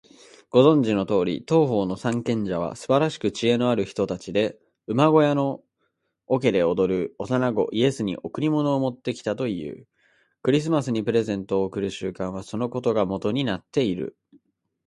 ご存じのとおり、東方の三賢者はすばらしく知恵のある人たちで、馬小屋の桶で眠る幼子イエスに贈り物を持ってきたという。クリスマスにプレゼントを贈る習慣は、そのことがもとになっている。